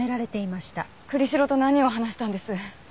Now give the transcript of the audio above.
栗城と何を話したんです？